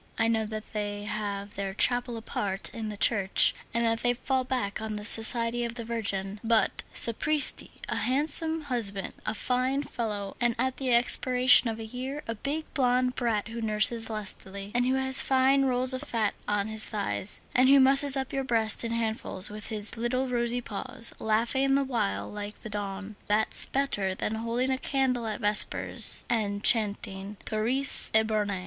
I know that they have their chapel apart in the church, and that they fall back on the Society of the Virgin; but, sapristi, a handsome husband, a fine fellow, and at the expiration of a year, a big, blond brat who nurses lustily, and who has fine rolls of fat on his thighs, and who musses up your breast in handfuls with his little rosy paws, laughing the while like the dawn,—that's better than holding a candle at vespers, and chanting _Turris Eburnea!